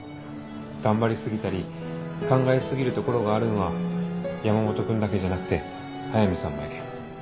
頑張り過ぎたり考え過ぎるところがあるんは山本君だけじゃなくて速見さんもやけん。